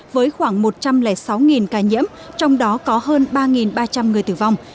với khoảng một trăm linh sáu ca nhiễm trong đó có hơn ba ba trăm linh người tử vong